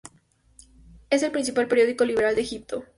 Es el principal periódico liberal de Egipto.